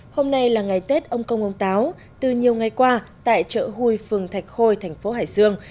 hôm nay là ngày tết ông công ông táo từ nhiều ngày qua tại chợ huy phường thạch khôi thành phố hải dương